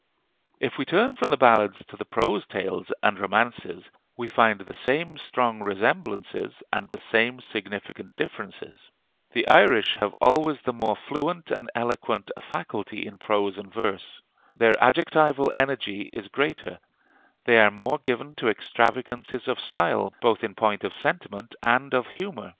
If we turn from the ballads to the prose tales and romances, we find the same strong resemblances and the same significant differences. The Irish have always the more fluent and eloquent a faculty in prose and verse. Their adjectival energy is greater; they are more given to extravagances of style, both in point of sentiment and of humor.